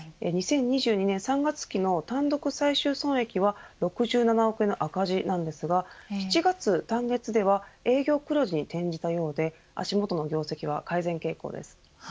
２０２２年３月期の単独最終損益は６７億円の赤字なんですが４月単月では営業黒字に転じたようで足元の業績は改善傾向です。